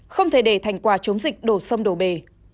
không thể để thành quả chống dịch đổ xâm đổ bề